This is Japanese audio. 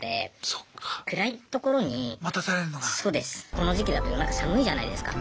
この時期だと夜中寒いじゃないですか。